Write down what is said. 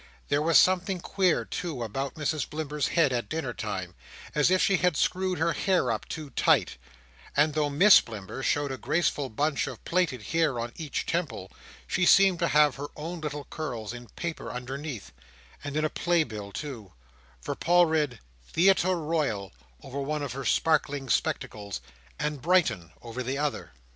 There was something queer, too, about Mrs Blimber's head at dinner time, as if she had screwed her hair up too tight; and though Miss Blimber showed a graceful bunch of plaited hair on each temple, she seemed to have her own little curls in paper underneath, and in a play bill too; for Paul read "Theatre Royal" over one of her sparkling spectacles, and "Brighton" over the other.